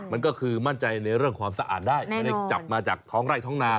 มันก็คือมั่นใจในเรื่องความสะอาดได้ไม่ได้จับมาจากท้องไร่ท้องนา